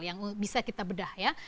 yang bisa kita bedah ya